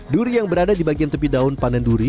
duri yang berada di bagian tepi daun panen duri